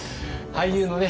俳優のね